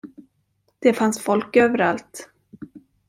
Det fanns folk överallt.